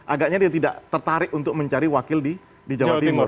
agaknya dia tidak tertarik untuk mencari wakil di jawa timur